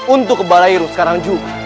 untuk kebalairu sekarang juga